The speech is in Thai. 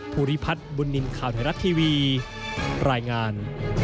ภูริพัฒน์บุญนินทร์ข่าวไทยรัฐทีวีรายงาน